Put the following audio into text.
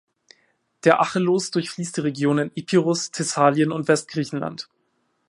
Der Acheloos durchfließt die Regionen Epirus, Thessalien und Westgriechenland.